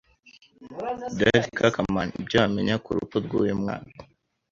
Darcy Kacaman: Ibyo wamenya ku rupfu rw’uyu mwana